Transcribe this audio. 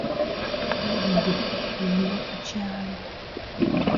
Laddu egwa ku kyalo.